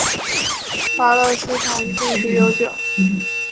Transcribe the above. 巴勒斯坦历史悠久。